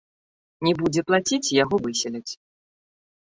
Не будзе плаціць, яго выселяць.